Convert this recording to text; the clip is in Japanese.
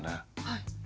はい。